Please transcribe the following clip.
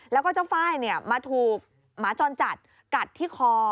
แล้วก็เจ้าไฟล์มาถูกหมาจรจัดกัดที่คอ